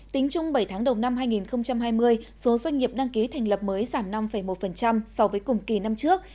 tính chung bảy tháng đầu năm hai nghìn hai mươi số doanh nghiệp đăng ký thành lập mới giảm năm một so với cùng kỳ năm trước